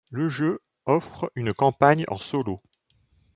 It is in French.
Le jeu offre une campagne en solo.